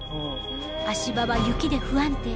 足場は雪で不安定。